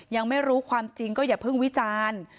ยังไม่รู้ความจริงก็อย่าเพิ่งวิจารณ์